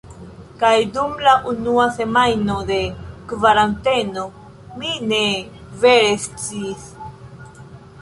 Kaj dum la unua semajno de kvaranteno mi ne vere sciis